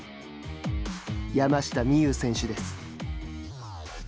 山下美夢有選手です。